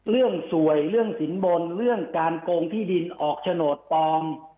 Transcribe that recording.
เรื่องสวยเรื่องสินบนเรื่องการโกงที่ดินออกโฉนดปลอม